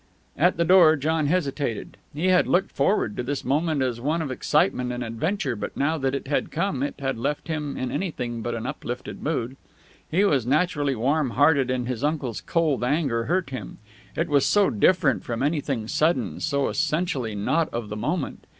At the door John hesitated. He had looked forward to this moment as one of excitement and adventure, but now that it had come it had left him in anything but an uplifted mood. He was naturally warm hearted, and his uncle's cold anger hurt him. It was so different from anything sudden, so essentially not of the moment.